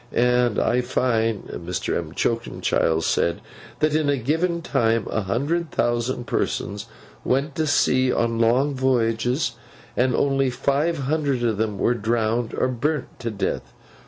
And I find (Mr. M'Choakumchild said) that in a given time a hundred thousand persons went to sea on long voyages, and only five hundred of them were drowned or burnt to death.